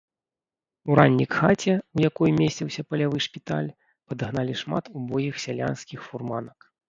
Уранні к хаце, у якой месціўся палявы шпіталь, падагналі шмат убогіх сялянскіх фурманак.